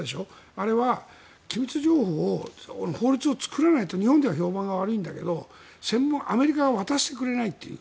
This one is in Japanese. あれは機密情報を法律を作らないと日本では評判が悪いんだけどアメリカが渡してくれないという。